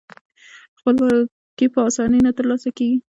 خپلواکي په اسانۍ نه ترلاسه کیږي.